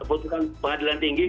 keputusan pengadilan tinggi kan